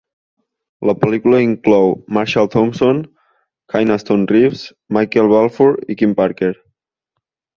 La pel·lícula inclou Marshall Thompson, Kynaston Reeves, Michael Balfour i Kim Parker.